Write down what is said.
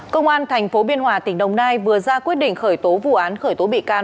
công an tp biên hòa tỉnh đồng nai vừa ra quyết định khởi tố vụ án khởi tố bị can